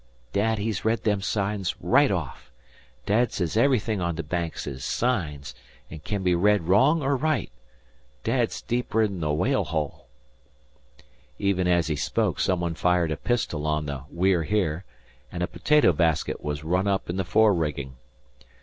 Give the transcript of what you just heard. Dad he'd read them signs right off. Dad says everythin' on the Banks is signs, an' can be read wrong er right. Dad's deeper'n the Whale hole." Even as he spoke some one fired a pistol on the We're Here, and a potato basket was run up in the fore rigging.